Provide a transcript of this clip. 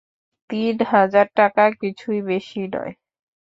তিন হাজার টাকা কিছুই বেশি নয় ।